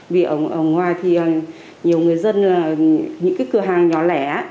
vì ở ngoài thì nhiều người dân những cái cửa hàng nhỏ lẻ